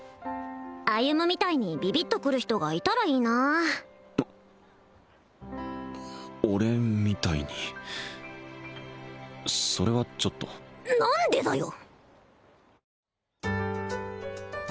歩みたいにビビッとくる人がいたらいいな俺みたいにそれはちょっと何でだよ！